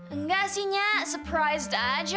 enggak sih nyak surprised aja